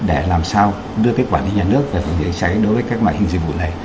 để làm sao đưa cái quản lý nhà nước về phòng cháy cháy đối với các loại hình dịch vụ này